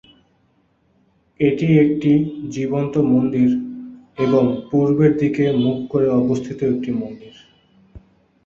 এটি একটি জীবন্ত মন্দির এবং পূর্বের দিকে মুখ করে অবস্থিত একটি মন্দির।